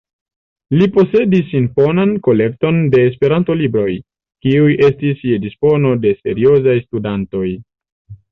Li posedis imponan kolekton de Esperanto-libroj, kiuj estis je dispono de seriozaj studantoj.